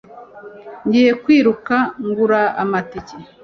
Ngiye kwiruka ngura amatike